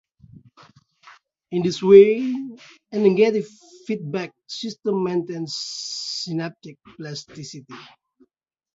In this way, a "negative feedback" system maintains synaptic plasticity.